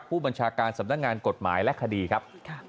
ผู้บัญชาการสำนักงานกฎหมายและคดีครับ